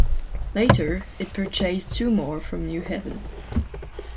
Later it purchased two more from New Haven.